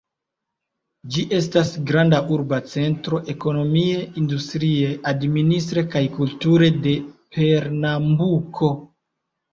Ĝi estas granda urba centro, ekonomie, industrie, administre kaj kulture, de Pernambuko.